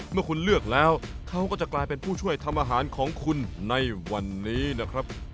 เมื่อคุณเลือกแล้วเขาก็จะกลายเป็นผู้ช่วยทำอาหารของคุณในวันนี้นะครับ